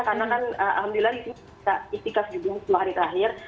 karena kan alhamdulillah di sini bisa istiqaf judulnya sepuluh hari terakhir